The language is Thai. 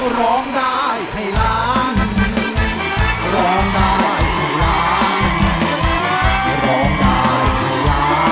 หรอกได้ไข่ล้าง